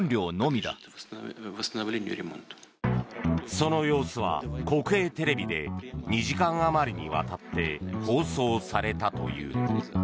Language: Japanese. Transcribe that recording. その様子は、国営テレビで２時間余りにわたって放送されたという。